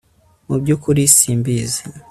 Mu byukuri simbizi